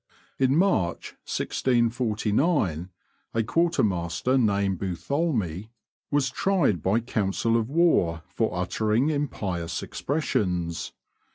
In March 1649, a quartermaster named Boutholmey was tried by council of war for uttering impious expressions.